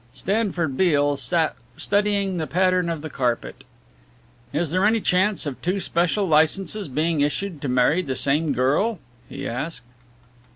Stanford Beale sat studying the pattern of the carpet. "Is there any chance of two special licences being issued to marry the same girl?" he asked.